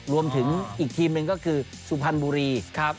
รวมถึงอีกทีมหนึ่งก็คือสุพันธ์บุรี